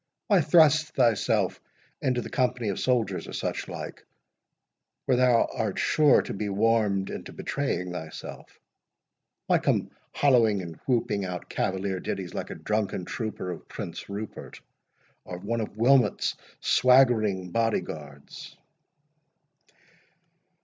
Why thrust thyself into the company of soldiers, or such like, where thou art sure to be warmed into betraying thyself? Why come hollowing and whooping out cavalier ditties, like a drunken trooper of Prince Rupert, or one of Wilmot's swaggering body guards?"